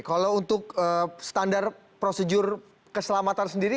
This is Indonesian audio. kalau untuk standar prosedur keselamatan sendiri